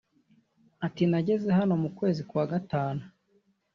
Ati “ Nageze hano mu kwezi kwa gatanu